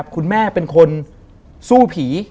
คุณแม่เป็นคนสู้ผี